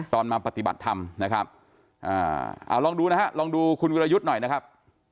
มาปฏิบัติธรรมนะครับเอาลองดูนะฮะลองดูคุณวิรยุทธ์หน่อยนะครับ